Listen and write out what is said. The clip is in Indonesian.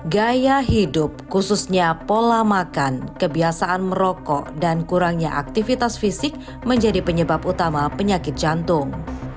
gaya hidup khususnya pola makan kebiasaan merokok dan kurangnya aktivitas fisik menjadi penyebab utama penyakit jantung